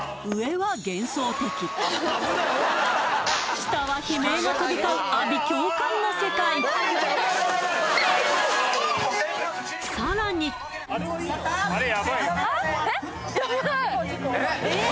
下は悲鳴が飛び交う阿鼻叫喚の世界えっ？